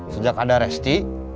sejak ada resti